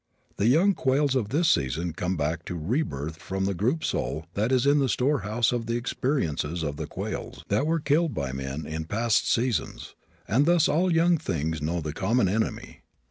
The young quails of this season come back to rebirth from the group soul that is the storehouse of the experiences of the quails that were killed by men in past seasons, and thus all young things know the common enemy.